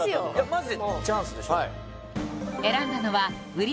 マジでチャンスでしょ